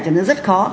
cho nên rất khó